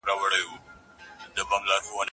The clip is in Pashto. هغوی يوازې د کار په مټ پرمختګ ونکړ.